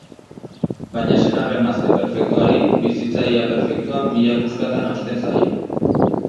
Baina senar-emazte perfektuari, bizitza ia perfektua mila puskatan hausten zaio.